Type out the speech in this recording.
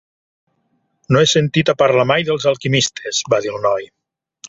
"No he sentit a parlar mai dels alquimistes", va dir el noi.